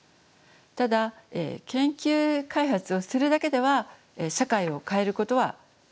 ただ研究開発をするだけでは社会を変えることはできないです。